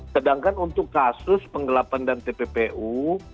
sedangkan untuk kasus penggelapan dan tppu